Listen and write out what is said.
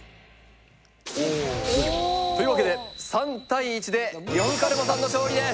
というわけで３対１で呂布カルマさんの勝利です。